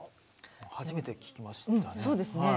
初めて聞きました。